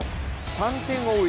３点を追う